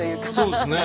そうですね。